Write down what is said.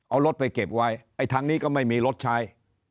เอารถไปเก็บไว้ไอ้ทางนี้ก็ไม่มีรถใช้